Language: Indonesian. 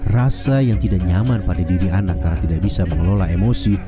rasa yang tidak nyaman pada diri anak karena tidak bisa mengelola emosi